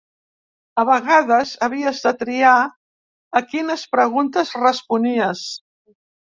A vegades havies de triar a quines preguntes responies.